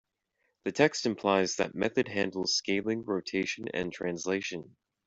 The text implies that method handles scaling, rotation, and translation.